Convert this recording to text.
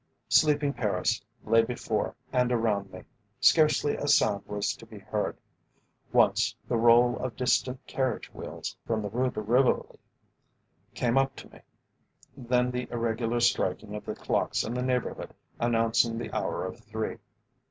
Sleeping Paris lay before and around me, scarcely a sound was to be heard; once the roll of distant carriage wheels, from the Rue de Rivoli, came up to me, then the irregular striking of the clocks in the neighbourhood announcing the hour of three.